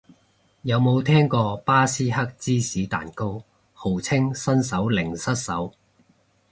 有冇聽過巴斯克芝士蛋糕，號稱新手零失手